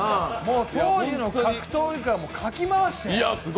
当時の格闘技界をかき回して。